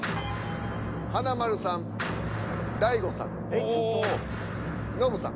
華丸さん大悟さんノブさん。